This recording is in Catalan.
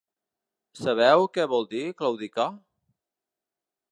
Sabeu què vol dir claudicar?